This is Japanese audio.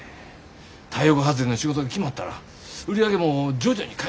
太陽光発電の仕事が決まったら売り上げも徐々に回復してくはずや。